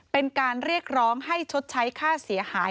เป็นการเรียกร้องให้ชดใช้ค่าเสียหาย